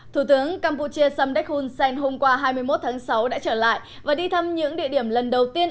thủ tướng campuchia samdek hun sen hôm qua hai mươi một tháng sáu đã trở lại và đi thăm những địa điểm lần đầu tiên